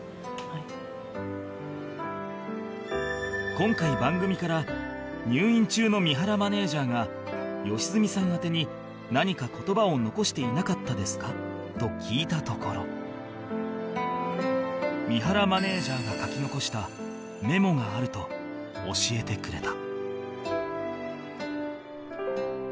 今回番組から「入院中の三原マネージャーが良純さん宛てに何か言葉を残していなかったですか？」と聞いたところがあると教えてくれた